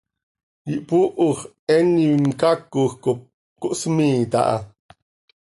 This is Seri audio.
Ihpooho x, eenim caacoj cop cohsmiiit aha.